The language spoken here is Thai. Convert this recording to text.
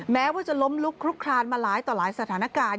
แม้ว่าจะล้มลุกคลุกคลานมาหลายต่อหลายสถานการณ์